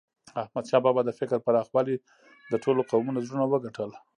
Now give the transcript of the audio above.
احمدشاه بابا د فکر پراخوالي د ټولو قومونو زړونه وګټل.